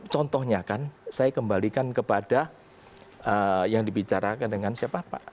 contohnya kan saya kembalikan kepada yang dibicarakan dengan siapa pak